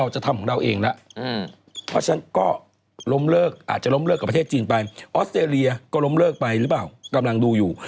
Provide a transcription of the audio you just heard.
จะไปหรือเปล่ากำลังดูอยู่